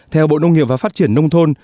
theo bộ nông nghiệp và phát triển nông thôn